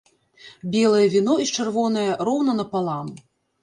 Белае віно і чырвонае роўна напалам.